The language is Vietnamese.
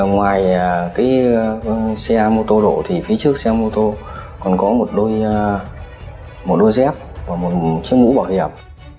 ngoài xe mô tô đổ thì phía trước xe mô tô còn có một đôi dép và một chiếc mũ bảo hiểm